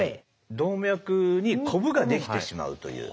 動脈にこぶができてしまうという。